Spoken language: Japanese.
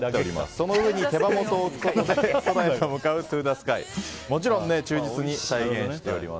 その上に手羽元を立てて空へと向かうＴＯＴＨＥＳＫＹをもちろん忠実に再現しております。